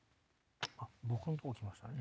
僕んとこきましたね